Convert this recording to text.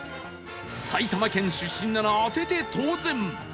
埼玉県出身なら当てて当然